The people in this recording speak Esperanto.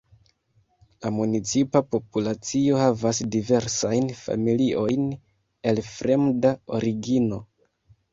La municipa populacio havas diversajn familiojn el fremda origino.